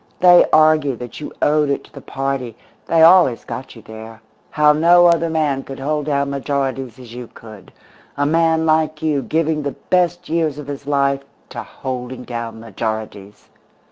They argued that you owed it to the party they always got you there; how no other man could hold down majorities as you could a man like you giving the best years of his life to holding down majorities!